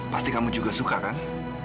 pasti kamu juga suka kan